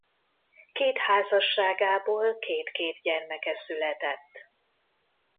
Két házasságából két-két gyermeke született.